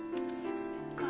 そっか。